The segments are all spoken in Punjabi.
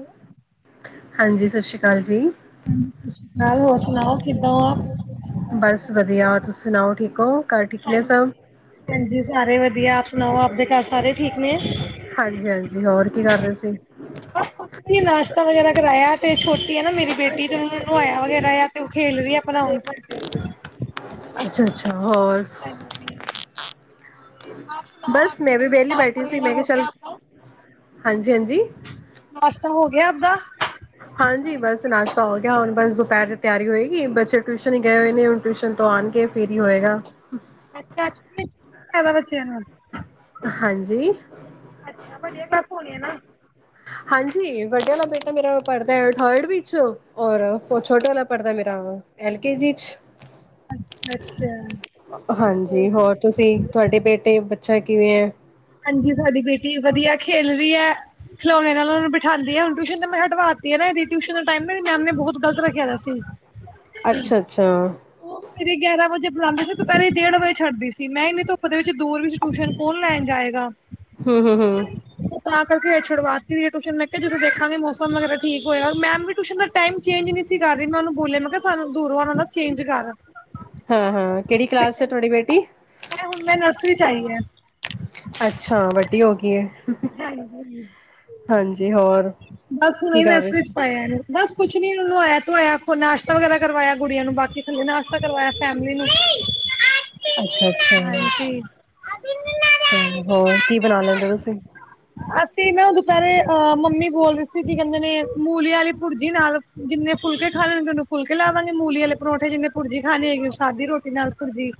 ਉਹ। ਹਾਂਜੀ, ਸਤਿ ਸ਼੍ਰੀ ਅਕਾਲ ਜੀ। ਹਾਂ ਸਤਿ ਸ਼੍ਰੀ ਅਕਾਲ ਹੋਰ ਸੁਣਾਓ ਕਿੱਦਾਂ ਹੋ? ਬਸ ਵਧੀਆ, ਹੋਰ ਤੁਸੀ ਸੁਣਾਓ, ਠੀਕ ਹੋ ਘਰ ਠੀਕ ਨੇ ਸਭ। ਹਾਂਜੀ, ਸਾਰੇ ਵਧੀਆ ਆਪ ਸੁਣਾਓ, ਆਪਦੇ ਘਰ ਸਾਰੇ ਠੀਕ ਨੇ? ਹਾਂਜੀ, ਹਾਂਜੀ ਹੋਰ ਕੀ ਕਰਦੇ ਸੀ? ਬਸ ਕੁਛ ਨਹੀਂ ਨਾਸ਼ਤਾ ਵਗੈਰਾ ਕਰਾਇਆ ਤੇ ਛੋਟੀ ਹੈ ਨਾ ਮੇਰੀ ਬੇਟੀ ਤੇ ਉਹਨੂੰ ਨੁਵਾਇਆ ਵਗੈਰਾ ਆ। ਤੇ ਉਹ ਖੇਲ ਰਹੀ ਆ ਆਪਣਾ ਹੁਣ। ਅੱਛਾ ਅੱਛਾ। ਹਾਂਜੀ, ਆਪ ਸੁਣਾਓ ਬਸ ਮੈਂ ਵੀ ਵਿਹਲੀ ਨਾਸ਼ਤਾ ਵਗੈਰਾ ਹੋ ਗਿਆ ਆਪ ਕਾ। ਹਾਂਜੀ, ਹਾਂਜੀ। ਨਾਸ਼ਤਾ ਹੋ ਗਿਆ ਆਪਦਾ। ਹਾਂਜੀ, ਬਾੱਸ ਨਾਸ਼ਤਾ ਓ ਗਯਾ ਹੋਨ ਬਾੱਸ ਦੋਪੈਰ ਦੀ ਤਿਆਰੀ ਹੋਏਗੀ ਬੱਚੇ ਟਿਯੂਸ਼ਨ ਈ ਗਏ ਓਏ ਨੇ ਹੁਨ ਟਿਯੂਸ਼ਨ ਤੋ ਆਨਗੇ ਫੇ ਫਿਰ ਹੀ ਹੋਏਗਾ। ਅੱਛਾ ਅੱਛਾ ਕੀ ਖਵਾਉਣਾ ਬੱਚਿਆਂ ਨੂੰ ਅੱਜ? ਹਾਂਜੀ ਅੱਛਾ ਵਧੀਆ ਕਲਾਸਾਂ ਚ ਹੋ ਗਏ ਨਾ। ਹਾਂਜੀ ਵੱਡਾ ਦਾ ਬੇਟਾ ਮੇਰਾ ਪੜ੍ਹਦਾ ਹੈ ਅ ਥਰਡ ਵਿੱਚ। ਔਰ ਛੋਟੇ ਵਾਲਾ ਪੜ੍ਹਦਾ ਮੇਰਾ ਐਲ ਕੇ ਜੀ ਚ। ਅੱਛਾ ਹਾਂਜੀ, ਹੋਰ ਤੁਸੀ ਤੁਆਡੇ ਬੇਟੇ-ਬੱਚਾ ਕਿਵੇਂ ਐਂ। ਹਾਂਜੀ ਤੁਹਾਡੀ ਬੇਟੀ ਵਧੀਆ ਖੇਲ ਰਹੀ ਹੈ। ਖਿਲੋਣੇ ਨਾਲ ਓਨੂੰ ਬਿਠਾਂਦੀ ਆ ਹੁਣ ਟਿਊਸ਼ਨ ਤੇ ਮੈਂ ਹਟਵਾ ਤੀ ਏ ਨਾ ਏਦੀ ਟਿਊਸ਼ਨ ਦਾ ਟਾਈਮ ਵੀ ਮੈਮ ਨੇ ਬਹੁਤ ਗਲਤ ਰੱਖਿਆ ਦਾ ਸੀ। ਅੱਛਾ ਅੱਛਾ ਉਹ ਸਵੇਰੇ ਗਿਆਰਾਂ ਵਜੇ ਬੁਲਾਉਂਦੇ ਸੀ ਦੁਪਹਿਰੇ ਡੇਢ ਵਜੇ ਛੱਡਦੀ ਸੀ ਮੈਂ ਇਨੀ ਧੁੱਪ ਦੇ ਵਿੱਚ ਦੂਰ ਵੀ। ਟਿਊਸ਼ਨ ਕੋਣ ਲੈ ਜਾਏ। ਹਮ ਹਮ ਹਮ। ਉਹ ਤਾਂ ਕਰਕੇ ਉਹ ਛੁਡਵਾ ਤੀ ਹੇਈ ਹੈ ਟਊਸ਼ਨ ਮੈਂ ਕਿਹਾ ਜਦੋਂ ਦੇਖਾਂਗੇ ਮੌਸਮ ਵਗੈਰਾ ਠੀਕ ਹੋਇਆ। ਮੈਮ ਵੀ ਟਿਊਸ਼ਨ ਦਾ ਟਾਈਮ ਚੇਂਜ ਨਈ ਸੀ ਕਰ ਰਹੀ। ਮੈਂ ਉਹਨੂ ਬੋਲਿਆ, ਮੈਂ ਕਿਹਾ, ਸਾਨੂੰ ਦੂਰੋਂ ਆਲਾਂ ਦਾ ਹਾਅ ਹਾਅ! ਕਿਹੜੀ ਕਲਾਸ ਹੈ ਤੁਹਾਡੀ ਬੇਟੀ? ਇਹ ਹੁਣ ਨਾ ਨਰਸਰੀ' ਚ ਆਈ ਹੈ। ਅੱਛਾ, ਵੱਡੀ ਹੋ ਗਈ ਏ। ਹਾਂਜੀ, ਹਾਂਜੀ ਹੋਰ ਬਸ ਹੁਣੇ ਕੀ ਹੀ ਕਰ ਰਹੇ ਸੀ? ਮੈਸੇਜ ਪਾਇਐ, ਇਹਨੇ, ਬਸ। ਕੁਛ ਨੀ, ਇਹਨੂੰ ਨਵਾਇਆ ਧਵਾਇਐ ਨਾਸ਼ਤਾ ਵਗੈਰਾ ਕਰਵਾਇਐ ਗੁੜੀਆਂ ਨੂੰ, ਬਾਕੀੇ ਨਾਸ਼ਤਾ ਕਰਵਾਇਐ ਫੈਮਲੀ ਨੂੰ। ਅੱਛਾ, ਅੱਛਾ। ਹਾਂਜੀ ਅੱਛਾ, ਹੋਰ, ਕੀ ਬਣਾ ਲੈਂਦੇ ਹੋ ਤੁਸੀਂ? ਅਸੀਂ ਨਾ ਦੁਪਹਿਰੇ ਅਹ ਮੰਮੀ ਬੋਲ ਰਹੀ ਸੀ, ਕੀ ਕਹਿੰਦੇ ਨੇ ਮੂਲੀ ਵਾਲੀ ਭੁਰਜੀ ਨਾਲ ਜਿੰਨੇ ਫੁਲਕੇ ਖਾਣੇ ਉਹਨੂੰ ਫੁਲਕੇ ਲਾ ਦਾਂਗੀ, ਮੂਲੀੇ ਆਲੇ ਪਰੌਠੇ ਜਿੰਨੇ ਭੁਰਜੀ ਖਾਣੀ ਹੋਏਗੀ, ਸਾਦੀ ਰੋਟੀ ਨਾਲ ਭੁਰਜੀ।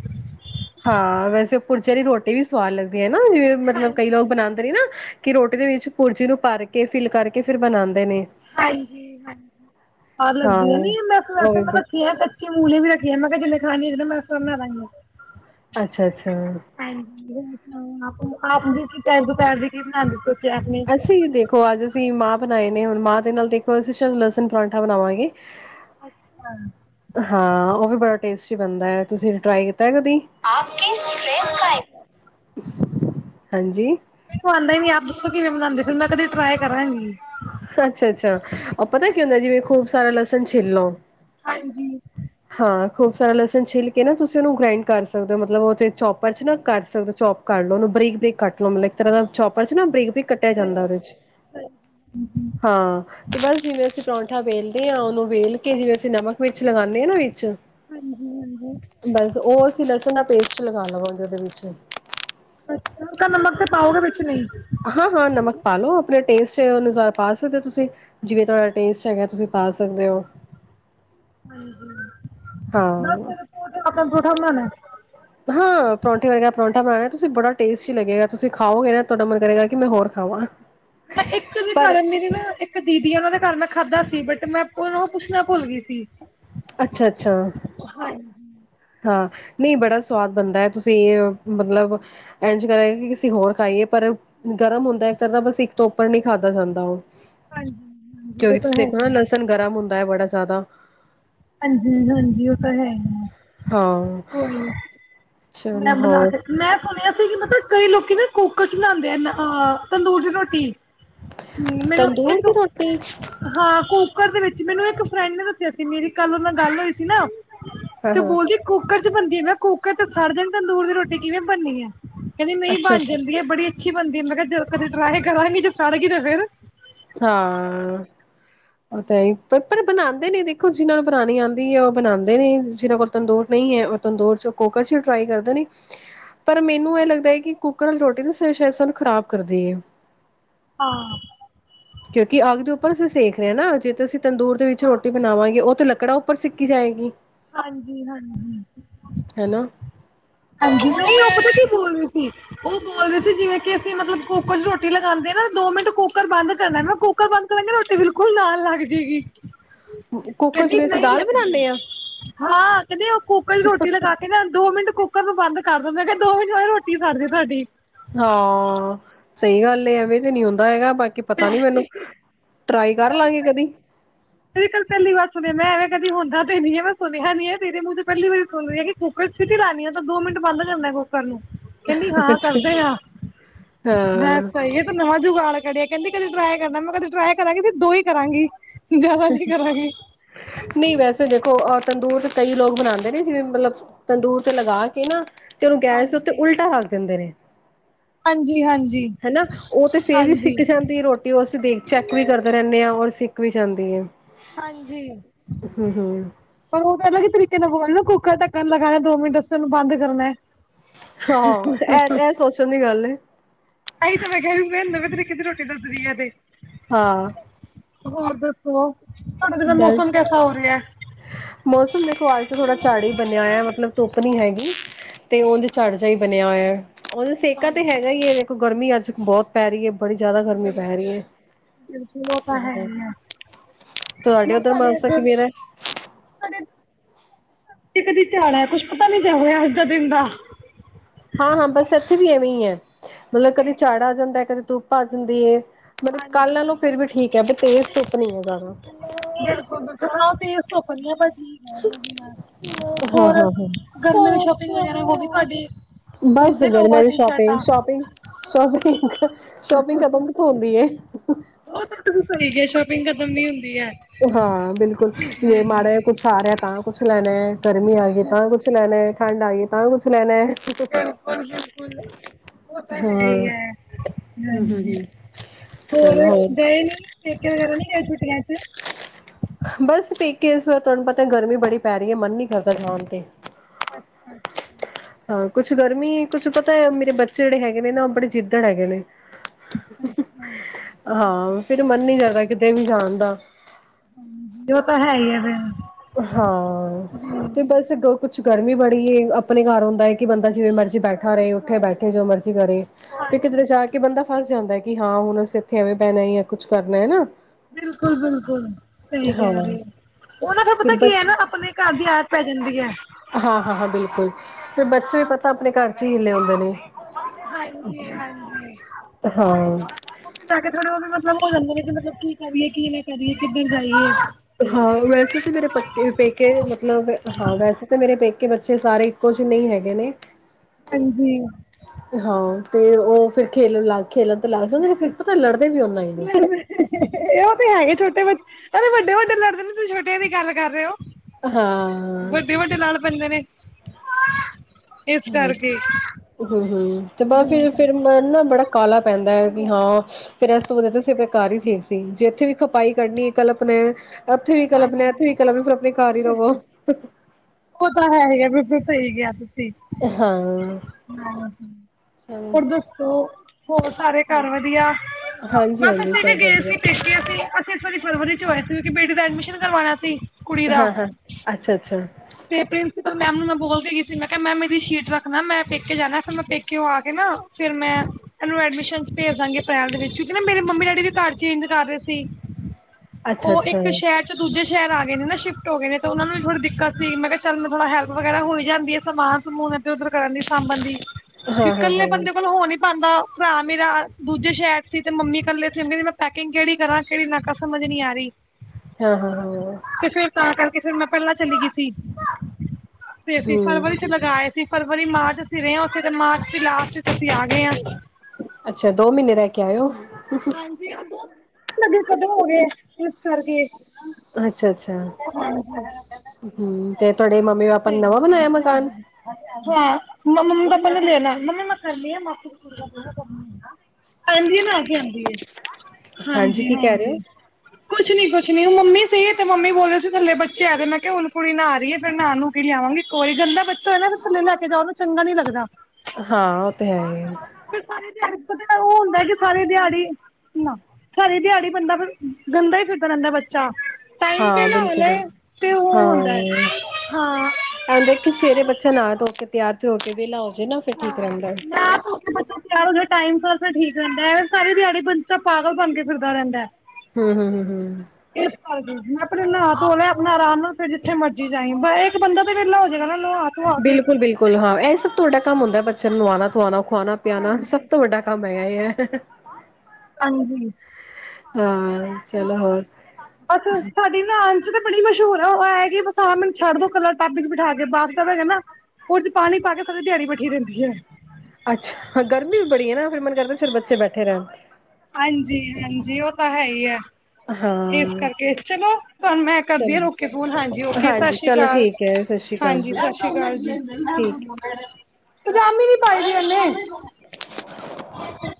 ਹਾਂ, ਵੈਸੇ ਉਹ ਪੁਰਜੀ ਆਲੀ ਰੋਟੀ ਵੀ ਸਵਾਦ ਲੱਗਦੀ ਹੈ ਨਾ, ਜਿਵੇਂ ਮਤਲਬ, ਕਈ ਲੋਕ ਬਣਾਉਂਦੇ ਨੇ ਨਾ। ਕਿ ਰੋਟੀ ਦੇ ਵਿੱਚ ਭੁਰਜੀ ਨੂੰ ਭਰ ਕੇ, ਫਿਲ ਕਰਕੇ, ਫਿਰ ਬਣਾਂਦੇ ਨੇ। ਹਾਂਜੀ ਹਾਂਜੀ, ਹਾਂ ਲੱਗਦੀ ਹੈ, ਨਹੀ ਬਸ ਵੈਸੇ ਉਹ ਵੀ ਮੈਂ ਕਿਹੈ ਤੇ। ਕਿ ਮੂਲੀ ਵੀ ਰੱਖੀ ਹੈ। ਮੈਂ ਕਿਹਾ ਜਿਹਨੇ ਖਾਣੀ ਹੋੁੰ ਨਾ ਮੈਂ ਉਸ ਟਾਈਮ ਬਣਾ ਦਵਾਂਗੀ। ਅੱਛਾ, ਅੱਛਾ। ਹਾਂਜੀ [inaudible] ਅਸੀਂ? ਇਹ ਦੇਖ ਓ ਅੱਜ ਅਸੀਂ ਮਾਂ ਬਣਾਏ ਨੇ। ਹੁਣ ਮਾਂ ਦੇ ਨਾਲ ਦੇਖੋ ਅਸੀਂ ਸ਼ਾਇਦ ਲਸਣ ਪਰਾਂਠਾ ਬਣਾਵਾਂਗੇ। ਅੱਛਾ। ਹਾਂ, ਉਹ ਵੀ ਬੜਾ ਟੇਸਟੀ ਬਣਦਾ ਹੈ। ਤੁਸੀਂ ਟਰਾਈ ਕਿਤੈ, ਕਦੀ? ਹਾਂਜੀ? ਮੈਨੂੰ ਤਾਂ ਆਉਂਦਾ ਹੀ ਨੀ। ਆਪ ਦੱਸੋ ਕਿਵੇਂ ਬਣਾਉਂਦੇ ਹੋ। ਫਿਰ ਮੈਂ ਕਦੀ ਟਰਾਈ ਕਰਾਂਗੀ। ਅੱਛਾ, ਅੱਛਾ। ਉਹ ਪਤਾ ਕੀ ਹੁੰਦੈ? ਜਿਵੇਂ ਖੂਬ ਸਾਰਾ ਲਸਣ ਛਿੱਲ ਲੋ। ਹਾਂਜੀ। ਹਾਂ, ਖੂਬ ਸਾਰਾ ਲਸਣ ਛਿੱਲ ਕੇ ਨਾ ਤੁਸੀਂ ਉਹਨੂੰ ਗ੍ਰਾਇੰਡ ਕਰ ਸਕਦੇ ਹੋ ਮਤਲਬ ਉਹਥੇ ਚੋਪਰ ਚ ਨਾ ਕਰ ਸਕਦੇ ਹੋ, ਚੋਪ ਕਰ ਲਓ। ਉਹਨੂੰ ਬ੍ਰੀਕ ਬ੍ਰੀਕ ਕੱਟ ਲੋ, ਮਲਬ ਇਕ ਤਰਾ ਦਾ ਚੌਪਰ ਚ ਨਾ ਬ੍ਰੀਕ ਬ੍ਰੀਕ ਕੱਟਿਆ ਜਾਂਦੈ ਉਹਦੇ ਚ। ਹਾਂ, ਤੇ ਬਸ ਜਿਵੇ ਅਸੀ ਪਰੌਂਠਾ ਵੇਲਦੇ ਹਾਂ, ਉਹਨੂੰ ਵੇਲ ਕੇ ਜਿਵੇਂ ਅਸੀਂ ਨਮਕ ਵਿੱਚ ਲਗਾਉਂਦੇ ਹਾਂ ਨਾ ਵਿੱਚ ਹਾਂਜੀ, ਹਾਂਜੀ। ਬਸ, ਉਹ ਅਸੀਂ ਲਸਣ ਦਾ ਪੇਸਟ ਲਗਾ ਲਵਾਂਗੇ, ਉਹਦੇ ਵਿੱਚ। ਪਰ ਹਲਕਾ ਨਮਕ ਤੇ ਪਾਓਗੇ ਵਿੱਚ, ਕੇ ਨਹੀਂ? ਹਾਂ, ਹਾਂ। ਨਮਕ ਪਾ ਲਓ, ਆਪਣੇ ਟੇਸਟ ਅਨੁਸਾਰ ਪਾ ਸਕਦੇ ਹੋ, ਤੁਸੀਂ। ਜਿਵੇਂ ਤੁਹਾਡਾ ਟੇਸਟ ਹੈਗੈ, ਤੁਸੀਂ ਪਾ ਸਕਦੇ ਹੋ। ਹਾਂਜੀ। ਬਸ ਹਾਂ। ਫਿਰ ਪਰੌਂਠੇ ਆਕਣ ਪਰੌਠਾ ਬਣਾਣੈ? ਹਾਂ ਪਰੌਂਠੇ ਵਰਗਾ ਪਰੌਂਠਾ ਬਣਾਉਣਾ, ਤੁਸੀਂ। ਬੜਾ ਟੇਸਟੀ ਲੱਗੇਗਾ। ਤੁਸੀਂ ਖਾਓਗੇ ਨਾ, ਤੁਹਾਡਾ ਮਨ ਕਰੇਗਾ ਕਿ ਮੈਂ ਹੋਰ ਖਾਵਾਂ। ਮੈਂ ਇੱਕ ਵੀ ਪਰ ਕਾਰਨ ਮੇਰੀ ਨਾ ਇਕ ਇੱਕ ਦੀਦੀ ਹੋਰਾਂ ਦੇ ਘਰ ਮੈਂ ਖਾਧਾ ਸੀ, ਬਟ ਮੈਂ ਉਹ ਪੁੱਛਣਾ ਭੁੱਲ ਗਈ ਸੀ। ਅੱਛਾ, ਅੱਛਾ। ਹਾਂਜੀ‌। ਹਾਂ, ਨਹੀਂ ਬੜਾ ਸਵਾਦ ਬਣਦਾ ਹੈ। ਤੁਸੀਂ, ਮਤਲਬ ਇੰਝ ਕਰੇਗਾ ਕਿ ਅਸੀ ਹੋਰ ਖਾਈਏ ਪਰ ਗਰਮ ਹੁੰਦਾ ਇੱਕ ਤਰਾਰ ਦਾ। ਬਸ ਇੱਕ ਤੋਂ ਉੱਪਰ ਨਹੀਂ ਖਾਧਾ ਜਾਂਦਾ, ਉਹ। ਕਿਉਂਕਿ ਤੁਸੀਂ ਦੇਖੋ ਨਾ ਲਸਣ ਗਰਮ ਹੁੰਦਾ ਹੈ, ਬੜਾ ਜ਼ਿਆਦਾ। ਹਾਂਜੀ, ਹਾਂਜੀ। ਉਹ ਤਾਂ ਹੈ ਹੀ। ਹਾਂ ਮੈਂ ਚਲੋ ਬਣਾ ਹੋਰ ਕੇ ਮੈਂ ਸੁਣਿਆ ਸੀ ਕਿ ਮਤਲਬ ਕਈ ਲੋਕੀ ਨਾ ਕੁਕਰ ਚ ਬਣਾਉਂਦੇ ਆ ਤੰਦੂਰੀ ਰੋਟੀ। ਹਮ, ਮੈਨੂੰ ਤੰਦੂਰ ਇੱਕ ਦੀ ਰੋਟੀ? ਹਾਂ, ਕੂਕਰ ਦੇ ਵਿੱਚ। ਮੈਨੂੰ ਇੱਕ ਫਰੈਂਡ ਨੇ ਦੱਸਿਆ ਸੀ, ਮੇਰੀ। ਕੱਲ ਉਸ ਨਾਲ ਗੱਲ ਹੋਈ ਸੀ ਨਾ। ਤੇ ਹਾਂ-ਹਾਂ ਬੋਲਦੀ, ਕੁੂੱਕਰ ਚ ਬਣਦੀ ਆ, ਮੈਂ ਕੁੂਕਰ ਚ ਸੜ ਜਾਂਦਾ ਤੰਦੂਰ ਦੀ ਰੋਟੀ ਕਿਵੇਂ ਬਣਨੀ ਹੈ? ਕਹਿੰਦੀ, ਨਹੀਂ ਬਣ ਅੱਛਾ-ਅੱਛਾ ਜਾਂਦੀ ਏ, ਬੜੀ ਅੱਛੀ ਬਣਦੀ, ਮੈਂ ਕਿਹਾ, ਕਦੇ ਟਰਾਏ ਕਰਾਂਗੀ ਤੇ ਸੜ ਗਈ ਤੇ ਫੇਰ ਹਾਂ। [unintelligible] ਉਹ, ਤਾਂ ਪਰ ਬਣਾਉਂਦੇ ਨੇ ਦੇਖੋ, ਜਿਹਨਾਂ ਨੂੰ ਬਣਾਣੀ ਆਉਂਦੀ ਹੈ, ਉਹ ਬਣਾਉਂਦੇ ਨੇ ਜਿਹਨਾਂ ਕੋਲ ਤੰਦੂਰ ਨ ਨਹੀਂ, ਉਹ ਤੰਦੂਰ ਚ ਕੋਕਰ ਚ ਟਰਾਈ, ਕਰਦੇ ਨੇ ਪਰ ਮੈਨੂੰ, ਇਹ ਲੱਗਦਾ ਹੈ ਕਿ, ਕੁੱਕਰ ਨਾਲ ਰੋਟੀ ਦੀ ਸਰ ਸ਼ਾਇਦ ਸਾਨੂੰ ਖਰਾਬ ਕਰਦੀ ਏ ਹਾਂ। ਕਿਉਂਕਿ ਅਗ, ਉੱਪਰ ਅਸੀਂ ਸੇਖਹੇ ਹਾਂ, ਨਾ ਜੇ ਤਾਂ ਅਸੀਂੰਦੂਰ ਦੇ ਵਿੱਚ ਰੋਟੀ ਬਣਾਵਾਂਗੇ ਉਹ ਤੇ ਲੱਕੜਾ ਉੱਪਰ, ਸਿੱਕੀ ਜਾਏਗੀ। ਹਾਂਜੀ -ਹਾਂਜੀ। ਹਨਾ ਹਾਂਜੀ, ਨਈ ਉਹ ਪਤਾ ਕੀ ਬੋਲ ਰਹੀ ਸੀ। ਉਹ ਬੋਲਦੇ ਸੀ, ਜਿਵੇਂ ਕਿ ਅਸੀਂ ਮਤਲਬ ਕੁਕਰ ਚ ਰੋਟੀ ਲਗਾਉਂਦੇ ਹ, ਨਾ ਦੋ ਮਿੰਟ ਕੁਕਰ ਬੰਦ ਕਰਨਾ ਨਾ ਕੂਕਰ ਬੰਦ, ਰੋਟੀ ਬਿਲਕੁਲ ਨਾਲ ਲੱਗ ਜਾਏਗੀ। ਕੁੱਕਰ ਚ ਵੀ ਅਸੀਂ ਦਾਲ, ਬਣਾਉਣੇ ਹਾਂ। ਹਾਂ ਕਹਿੰਦੇ, ਉਹ ਕੋਕਰ ਰੋਟੀ ਲਗਾ ਇਹਨਾਂ, ਦੋ ਮਿੰਟ ਕੁੱਕਰ ਨੂੰ ਬੰਦ ਕਰ ਦਿੰਦੇ, ਦੋ ਮਿੰਟ ਬਾਦ ਰੋਟੀ ਸੜ ਜਾਏ ਸਾਡੀ ਹਾਂ, ਸਹੀ ਗੱਲ ਐਵੇਂ ਚ ਨਹੀਂ ਹੁੰਂਦਾ ਹੈਗਾ, ਬਾਕੀ ਪਤਾ ਨੀ ਮੈਨੂੰ ਟਰਾਈ, ਕਰ ਲਾਂਗੇ ਕਦੀ ਤੇਰੀ ਕੋਲੋ ਪਹਿਲੀ ਵਾਰ ਸੁਣਿਆ, ਮੈਂ ਐਵੇਂ ਕਦੀ ਹੁੰਦਾ ਤੇ ਨੀ ਹ ਮੈਂ ਸੁਣਿਆ ਨੀ, ਹੈ ਤੇਰੇ ਮੂੰਹ ਪਹਿਲੀ ਵਾਰੀ ਸੁਣ ਰਹ ਕੁੱਕਰ ਚ ਛਿਟੀ ਲਾਣੀ ਆ, ਤਾਂ ਦੋ ਮਿੰਟ ਬੰਦ ਕਰਨਾ ਕੁੱਕਰ ਨੂੰ ਕਹਿੰਦੀ ਹਾਂ, ਅੱਛਾ ਕਰਦੇ ਹਾਂ ਬਸ ਹਾਂ ਸਹੀ ਹੈ। ਨਵਾਂ ਜੁਗਾੜ ਕਢਿਆ ਕਹਿੰਦੀ ਕਦੇ ਟਰਾਈ ਕਰਨਾ, ਮੈਂ ਕਦੇ ਟਰਾਈ ਕਰਾਂਗੀ ਤੇ ਦੋ, ਹੀ ਕਰਾਂਗੀ। ਜ਼ਿਆਦਾ ਨੀ ਕਰਾਂਗੀ ਨਹੀਂ ਵੈਸੇ ਦੇਖੋਹ, ਤਦੂਰ ਤੇ ਕਈ ਲੋਕ ਬਣਾਂਦੇ ਨੇ, ਜਿਵੇਂ ਮਤਲਬ ਤੰਦੂਰ ਤੇ ਲਗਾ ਕੇ ਨਾ ਤੇ ਉਹਨੂੰ, ਗੈਸ ਦੇ ਉੱਤੇ ਉਲਟਾ ਰੱਖ ਦਿੰਦੇ ਨੇ। ਹਾਂਜੀ -ਹਾਂਜੀ। ਹਨਾ, ਉਹ ਤੇ ਫਿਰ ਵੀ ਹਾਂਜੀ ਸਿੱਕ ਜਾਂਦੀ ਰੋਟੀ ਕਿ ਉਹ, ਅਸੀਂ ਦੇਖ ਚੈੱਕ ਵੀ ਕਰਦੇ ਰਹਿੰਦੇ ਹਾਂ, ਔਰ ਸਿੱਖ ਵੀ ਜਾਂਦੀ ਹੈ। ਹਾਂਜੀ। ਹਮ ਹਮ ਪਰ ਉਹ, ਤਾਂ ਅਲੱਗ ਤਰੀਕੇ ਨਾਲ ਖੋਲਣਾ ਕੁੱਕਰ ਟੱਕਣ ਲਗਾਉਣਾ, ਦੋ ਮਿੰਟ ਉਹਨੂੰ ਬੰਦ ਕਰਨਾ ਹੈ। ਹਾਂ, ਇਹ -ਇਹ ਸੋਚਣ ਦੀ ਗੱਲ ਏ, ਆਈ ਤਾਂ ਮੈਂ ਕਿਹਾ, ਨਵੇਂ ਤਰੀਕੇ ਦੀ ਰੋਟੀ ਦੱਸਦੀ ਹੈ ਤੇ ਹਾਂ। ਹੋਰ ਦੱਸੋ, ਤੁਹਾਡੇ ਓਥੇ ਬਸ ਮੌਸਮ ਕੈਸਾ ਹੋ ਰਿਹਾ ਹੈ? ਮੌਸਮ ਦੇਖੋ, ਅੱਜ ਤਾਂ ਥੋੜ੍ਹਾ ਝਾੜ ਹੀ ਬਣਿਆ ਹੈ, ਮਤਲਬ ਧੁੱਪ ਨੀ ਹੈਗੀ। ਤੇ ਉਹਦੇ ਝਾੜ ਜ ਹੀ ਬਣਿਆ ਹੋਇਆ, ਉਹ ਸੇਕਾ ਤੇ ਹੈਗਾ ਹੀ ਹੈ, ਦੇਖੋ ਗਰਮੀ ਅੱਜ ਬਹੁਤ। ਪੈ ਰਹੀ ਏ, ਬੜੀ ਜ਼ਿਆਦਾ ਗਰਮੀ ਪੈ ਰਹੀ ਏ ਤੁਹਾਡੇ ਉੱਧਰ, ਮੌਸਮ ਕਿਵੇਂ ਦਾ? ਕਦੀ ਝਾੜ, ਕੁਛ ਪਤਾ ਨੀ ਚਲ ਅੱਜ ਦਾ, ਦਿਨ ਦਾ। ਹਾਂ -ਹਾਂ ਬਸ ਇੱਥੇ ਵੀ ਐਵੇਂ ਹੀ ਹੈ, ਮਤਲਬ ਕਦੇ ਝਾੜ ਆ ਜਾਂਦਾ ਕਦੇ ਧੁੱਪ ਆ, ਜਾਂਦੀ ਹੈ। ਮਤਲਬ, ਕੱਲ ਨਾਲੋਂ ਫੇਰ ਵੀ ਠੀਕ ਹੈ, ਬ ਤੇਜ਼ ਧੁੱਪ ਨੀ ਹੈ ਜਾਣਾ। ਬਿਲਕੁਲ -ਬਿਲਕੁਲ ਹਾਂ ਤੇ [inaudible] [inaudible] ਬਟ ਹਾਂ, ਹਾਂ, ਗਰਮੀ ਦੀ ਹਾਂ। ਸ਼ੋਪਿੰਗ ਵਗੈਰਾ ਹੋ ਗਈ ਤੁਹਾਡੀ ਬਸ ਖਰੀਦੇ ਫਿਰ, ਲੋਵਰ ਮੈਰੀ ਟੀ ਸ਼ੋਪਿੰਗ, ਸ਼ਰਟਾਂ ਸ਼ੋਪਿੰਗ, ਸ਼ੋਪਿੰਗ ਸ਼ੋਪਿੰਗ ਖਤਮ ਕਿਥੋਂ ਹੁੰਦੀ ਏ ਉਹ ਵੀ ਸਹੀ, ਸ਼ੋਪਿੰਗ ਖਤਮ ਵੀ ਹੁੰਦੀ ਐ ਕੁਛ ਆ ਰਿਹਾ, ਤਾਂ ਕੁਛ ਲੈਣਾ, ਗਰਮੀ ਆ ਗਈ ਤਾਂ ਕੁਛ ਲੈਣਾ, ਠੰਡ ਆ ਗਈ ਤਾਂ ਕੁਛ ਲੈਣਾ। ਬਿਲਕੁਲ -ਬਿਲਕੁਲ ਉਹ ਤਾਂ ਹਾਂ ਹੈ ਹੀ ਹੈ। ਹਾਂਜੀ, ਹੂੰ-ਹੂੰ-ਹੂੰ ਹੋਰ ਗਏ ਨੀ ਪੇਕਿਆ ਵਗੈਰਾ, ਨਹੀਂ ਗਏ ਛੁੱਟੀਆਂ ਚ ਬਸ ਪੇਕੇ ਇਸ ਵਾਰ, ਤੁਹਾਨੂੰ ਪਤਾ ਗਰਮੀ ਬੜੀ ਪੈ ਰਹੀ ਹੈ, ਮਨ ਨਹੀਂ ਕਰਦਾ ਜਾਣ ਤੇ। ਅੱਛਾ। ਅਂ, ਕੁਛ ਗਰਮੀ ਏ, ਕੁਛ ਪਤਾ ਹੈ ਮੇਰੇ ਬੱਚੇ ਜਿਹੜੇ ਹੈਗੇ ਨੇ ਨਾ, ਉਹ ਬੜੇ ਜਿੱਦੜ ਹੈਗੇ ਨੇ। ਹਾਂ, ਫਿਰ ਮਨ ਨਹੀ ਲਗਦਾ, ਕਿਤੇ ਵੀ ਜਾਣ ਦਾ। ਤੇ, ਉਹ ਤਾ ਹੈਈਆ ਫਿਰ। ਹਾਂ। ਤੇ ਬਸ ਕੁਛ ਗਰਮੀ ਬੜੀ ਏ, ਆਪਣੇ ਘਰ ਹੁੰਦਾ ਹੈ ਕਿ ਬੰਦਾ ਜਿਵੇਂ ਮਰਜ਼ੀ ਬੈਠਾ ਰਹੇ, ਉੱਠੇ, ਬੈਠੇ ਜੋ ਮਰਜ਼ੀ ਕਿਧਰੇ ਜਾਕੇ ਬੰਦਾ ਫਸ ਜਾਂਦਾ ਏ। ਕਿ ਹਾਂ, ਹੁਣ ਅਸੀਂ ਇੱਥੇ ਐਵੇਂ ਪੈਣਾ ਹੀ ਹੈ ਕੁੱਛ ਕਰਨਾ ਯਾ, ਨਾ। ਬਿਲਕੁਲ-ਬਿਲਕੁਲ, ਸਹੀ ਹਾਂ ਕਹਿ ਰਹੇ। ਉਹਨਾਂ ਦਾ ਫਿਰ ਪਤਾ ਕੀ ਹੈ ਬੱਚੇ ਨਾ, ਆਪਣੇ ਘਰ ਦੀ ਆਦਤ ਪੈ ਜਾਂਦੀ ਹੈ। ਹਾਂ, ਹਾਂ, ਹਾਂ, ਬਿਲਕੁਲ। ਫਿਰ ਬੱਚੇ ਪਤਾ ਆਪਣੇ ਘਰ'ਚ ਹੀ ਹਿੱਲੇ ਹੁੰਦੇ ਨੇ। ਹਾਂਜੀ-ਹਾਂਜੀ। ਹਾਂ ਉੱਥੇ ਜਾਕੇ ਥੋੜੇ ਉਹ ਵੀ ਮਤਲਬ ਹੋ ਜਾਂਦੇ ਨੇ ਕਿ, ਮਤਲਬ ਕੀ ਕਰੀਏ, ਕੀ ਨਾ ਕਰੀਏ, ਕਿੱਧਰ ਜਾਈਏ। ਹਾਂ, ਵੈਸੇ ਤਾਂ ਮੇਰੇ ਪੱਕੇ, ਪੇਕੇ ਮਤਲਬ ਹਾਂ ਵੈਸੇ ਤਾਂ ਮੇਰੇ ਪੇਕੇ, ਬੱਚੇ ਸਾਰੇ ਈ ਕੁਝ ਨਹੀਂ ਹੈਗੇ ਨੇ। ਹਾਂਜੀ। ਹਾਂ, ਤੇ ਉਹ ਫਿਰ ਖੇਲਣ ਲਾ, ਖੇਲਣ ਤੇ ਲੱਗਦੇ ਨੇ, ਫਿਰ ਪਤਾ ਲੜਦੇ ਵੀ ਓਹਨਾ ਹੀ ਨੇ। ਉਹ ਤੇ ਹੈਗੇ ਛੋਟੇ ਵੇ, ਅਰੇ ਵੱਡੇ-ਵੱਡੇ ਲੜਦੇ ਨੇ, ਤੁਸੀਂ ਛੋਟਿਆਂ ਦੀ ਗੱਲ ਕਰ ਰਹੇ ਹੋ। ਹਾਂ। ਡੇ ਲੜ ਪੈਂਦੇ ਨੇ। ਇਸ ਬਸ, ਕਰਕੇ ਉਹ ਹੂੰ, ਹੂੰ, ਤੇ ਬਸ ਫੇਰ, ਫੇਰ ਤੇ ਮਨ ਨਾ ਬੜਾ ਕਾਲਾ ਪੈਂਦਾ ਹੈ ਕਿ ਹਾਂ, ਫਿਰ ਇਸ ਏ ਸੋਚਦੇ ਅਸੀ ਘਰ ਹੀ ਠੀਕ ਸੀ, ਜੇ ਇੱਥੇ ਵੀ ਖਪਾਈ ਕਰਨੀ ਕਲਪਨੇ ਉੱਥੇ ਵੀ ਕਲਪਨਾ, ਇੱਥੇ ਵੀ ਕਲਪਨਾ, ਫਿਰ ਆਪਣੇ ਘਰ ਹੀ ਰ੍ਹਵੋ। ਓਦਾ ਤੇ ਹੈਹੀ ਆ, ਬਿਲਕੁੱਲ ਸਹੀ ਕਿਹਾ ਤੁਸੀ। ਹਾਂ ਹਾਂਜੀ ਚਲੋ ਹੋਰ ਦੱਸੋ, ਹੋਰ ਸਾਰੇ ਘਰ ਵਧੀਆ? ਹਾਂਜੀ ਬਸ ਹਾਂਜੀ ਅਸੀਂ ਵੀ ਸਭ ਗਏ ਸੀ ਵਧੀਆ ਪੇਕੇ‌ ਅਸੀ, ਅਸੀ ਇਸ ਵਾਰੀ ਫਰਵਰੀ'ਚ ਹੋ ਆਏ। ਕਿਉਂਕਿ, ਬੇਟੀ ਦਾ ਐਡਮੀਸ਼ਨ ਕਰਵਾਣਾ ਸੀ। ਕੁੜੀ ਦਾ ਹਾਂ, ਹਾਂ, ਅੱਛਾ-ਅੱਛਾ। ਤੇ ਪ੍ਰਿੰਸੀਪਲ ਮੈਮ ਨੂੰ ਮੈਂ ਬੋਲਕੇ ਗਈ ਸੀ, ਮੈਂ ਕਿਹਾ, ਮੈਮ ਮੇਰੀ ਸ਼ੀਟ ਰੱਖਣਾ ਮੈਂ ਪੇਕੇ ਜਾਣਾ, ਫਿਰ ਮੈਂ ਪੇਕੇਓਂ ਆਕੇ ਨਾ ਫਿਰ ਮੈਂ ਇਹਨੂੰ ਐਡਮਿਸ਼ਨ'ਚ ਭੇਜ ਦਾਂਗੀ ਅਪ੍ਰੈਲ ਦੇ ਵਿੱਚ ਈ, ਕਿਂਉਕੀ ਨਾ, ਮੇਰੇ ਮੰਮੀ-ਡੈਡੀ ਵੀ ਘਰ ਚੇਂਜ ਕਰ ਰਹੇ ਸੀ। ਅੱਛਾ ਉਹ ਇੱਕ ਅੱਛਾ ਸ਼ਹਿਰ'ਚੋ ਦੂਜੇ ਸ਼ਹਿਰ ਆ ਗਏ ਨੇ ਨਾ ਸ਼ਿਫਟ ਹੋ ਗਏ ਨੇ, ਤੇ ਉਹਨਾ ਨੂੰ ਵੀ ਥੋੜੀ ਦਿੱਕਤ ਮੈਂ ਕਿਹਾ ਚੱਲ, ਮੈੈਂ ਥੋੜਾ ਹੈਲਪ ਵਗੈਰਾ ਹੋ ਜਾਂਦੀ ਏ, ਸਮਾਨ-ਸਮੂਨ ਇਧੱਰ-ਉੱਧਰ ਕਰਨ ਦੀ ਸਾਂਭਣ ਦੀ, ਹਾਂ ਹਾਂ ਇਕੱਲੇ ਹਾਂ ਬੰਦੇ ਕੋਲ ਹੋ ਨਹੀਂ ਪਾਂਦਾ। ਭਰਾ ਮੇਰਾ ਦੂਜੇ ਸ਼ਹਿਰ'ਚ ਸੀ, ਤੇ ਮੰਮੀ ਇਕੱਲੇ ਇੱਥੇ ਰਹਿੰਦੇ, ਮੈਂ ਪੈਕਿੰਗ ਕਿਹੜੀ ਕਰਾਂ, ਕਿਹੜੀ ਨਾ ਕਰਾਂ ਸਮਝ ਨੀ ਆ ਰਹੀ। ਹਾਂਹਾਂਹਾਂ। ਤੇ ਫਿਰ ਤਾਂ ਕਰਕੇ ਫਿਰ ਮੈਂ ਪਹਿਲਾਂ ਚਲੀ ਗਈ ਸੀ, ਤੇ ਹਮ ਫਰਵਰੀ'ਚ ਲਗਾਏ ਅਸੀਂ ਫਰਵਰੀ, ਮਾਰਚ ਅਸੀਂ ਰਹੇ ਹਾਂ ਉੱਥੇ, ਤੇ ਮਾਰਚ ਦੀ ਲਾਸਟ'ਚ ਅਸੀਂ ਆ ਗਏ ਹਾਂ। ਅੱਛਾ, ਦੋ ਮਹੀਨੇ ਰਹਿਕੇ ਆਏ ਹੋ? ਹਾਂਜੀ, ਅੱਗੇ ਕਦੋਂ ਖਤਮ ਹੋ ਗਏ ਇਸ ਕਰਕੇ। ਅੱਛਾ-ਅੱਛਾ। ਹਾਂ ਹੂੰ, ਤੇ ਤੁਹਾਡੇ ਮੰਮੀ-ਪਾਪਾ ਨੇ ਨਵਾਂ ਬਣਾਇਆ ਮਕਾਨ? ਹੈਂ, ਨੰਵਬਰ ਮੈ ਲੈਣਾ ਮੰਮੀ ਮੈਂ ਕਰਨੀ ਆ। ਐਂਝੀ ਹੀ ਨਹਾਕੇ ਆਂਦੀ ਏ, ਹਾਂਜੀ ਕੀ ਕਹਿ ਰਹੇ ਹਾਂਜੀ-ਹਾਂਜੀ। ਹੋ ਕੁਝ ਨੀ, ਕੁੱਝ ਨੀ, ਉਹ ਮੰਮੀ ਸੀ ਤੇ ਮੰਮੀ ਬੋਲਰੇ ਸੀ ਥੱਲੇ ਬੱਚੇ ਆਗੇ ਨੇ, ਮੈਂ ਕਿਹਾ ਹੁਣ ਕੁੜੀ ਨਹਾ ਰਹੀ ਏ, ਫਿਰ ਮੈ ਨ੍ਹਾਣ ਨੂੰ ਫ਼ਿਰ ਲਿਆਵਾਂਗੀ, ਕੋਈ ਗੰਦਾ ਬੱਚਾ ਹੋਏ ਨਾ, ਥੱਲੇ ਲੈਕੇ ਜਾਣ ਨੂੰ ਚੰਗਾ ਨੀ ਲੱਗਦਾ। ਹਾਂ, ਓਹ ਤੇ ਹੈਹੀ ਏ। ਫਿਰ ਸਾਰੇ ਜੈਨਸ ਨੂੰ, ਓ ਹੁੰਦਾ ਕਿ ਸਾਰੀ ਦਿਹਾੜੀ ਨਾ ਸਾਰੀ ਦਿਹਾੜੀ ਬੰਦਾ ਫਿਰ, ਗੰਦਾ ਹੀ ਫਿਰਦਾ ਰਹਿੰਦਾ ਬੱ ਅੱਛਾ, ਟਾਈਮ ਤੇ ਹਾਂ ਨਾ ਹੋਲੇ, ਬਿਲਕੁਲ ਤੇ ਉਹ ਹੁੰਦਾ ਹੈ, ਹਾਂ ਹਾਲਾ ਕੀ, ਸਵੇਰੇ ਬੱਚਾ ਨਾ ਧੋ ਕੇ ਤਿਆਰ ਤਿਊਰ ਹੋ ਕੇ ਵਿਹਲਾ ਹੋ ਜੇ ਨਾ, ਫਿਰ ਠੀਕ ਰਹਿੰਦਾ ਹੈ। ਅਗਰ ਟਾਈਮ ਪਾਸ ਠੀਕ ਰਹਿੰਦਾ ਹੈ, ਸਾਰੀ ਦਿਹਾੜੀ ਬੰਦਾ ਪਾਗਲ ਬਣ ਕੇ ਫਿਰਦਾ ਰਹਿੰਦਾ ਹੈ। ਹੂ ਹੂ ਹੂ ਹੂ ਹ [inaudible] ਇਸ ਮੈਂ ਆਪਣੇ ਨਾਹਾ ਧੋ ਲ਼ੈ, ਆਪਣਾ ਆਰਾਮ ਨਾਲ ਫ਼ਿਰ ਜਿੱਥੇ ਮਰਜ਼ੀ ਜਾਈ, ਇੱਕ ਬੰਦਾ ਤੇ ਵਿਹਲਾ ਹੋ ਜਾਏਗਾ ਨਾ ਨਵਾਂ ਬਿਲਕੁਲ ਬਿਲਕੁਲ ਹਾਂ, ਇਹ ਸਭ ਤੋਂ ਵੱਡਾ ਕੰਮ ਹੁੰਦਾ ਬੱਚਿਆਂ ਨੂੰ ਨੁਵਾਉਣਾ ਧੁਆਉਣਾ ਖੁਵਾਣਾ ਪੀਉਣਾ ਸਭ ਤੋਂ ਵੱਡਾ ਹੈ। ਤਾਂ ਮੈਂਗਾ ਹੀ ਹੈ ਹਾਂਜੀ। ਹੂ ਹੂ ਅ ਅ ਬਸ ਸਾਡੀ ਨਾ ਤਾਂ ਬੜੀ ਮਸ਼ਹੂਰ ਹੈ, ਉਹ ਹੈਗੀ ਬਸ ਮੈਨੂੰ ਛੱਡ ਦੋ, ਕਲਰ ਟਾਬੀ ਚ ਬਿਠਾ ਕੇ ਬਾਸ ਦਾ ਹੈਗਾ ਨਾ ਉਹ ਚ ਪਾਣੀ ਪਾ ਕੇ, ਸਾਰੀ ਦਿਹਾੜੀ ਬੈਠੀ ਰਹਿੰਦੀ ਹੈ। ਅੱਛਾ ਹਾਂ, ਗਰਮੀ ਵੀ ਬੜੀ ਹੈ ਨਾ, ਫਿਰ ਮਨ ਕਰਦਾ ਚਲ ਫਿਰ ਬੱਚੇ ਬੈਠੇ ਰਹਿਣ। ਹਾਂਜੀ ਹਾਂਜੀ, ਉਹ ਤਾਂ ਹੈ ਹੀ ਹੈ। ਇਸ ਹਾਂ ਕਰਕੇ, ਚਲੋ ਤੁਹਾਨੂੰ ਮੈਂ ਕਰਦੀ ਹਾਂ ਚਲੋ ਰੁਕ ਕੇ ਫੋਨ, ਹਾਂਜੀ ਓਕੇ ਸਤਿ ਹਾਂਜੀ ਸ੍ਰੀ ਚਲੋ ਅਕਾਲ। ਠੀਕ ਹੈ ਸਤਿ ਸ਼੍ਰੀ ਅਕਾਲ ਹਾਂਜੀ ਜੀ ਸਤਿ ਸ੍ਰੀ ਅਕਾਲ ਜੀ। ਠੀਕ ਹੈ ਪਜਾਮੀ ਨੀ ਪਾਈ ਦੀ ਐਨੇ।